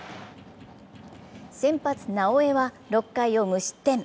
先発・直江は６回を無失点。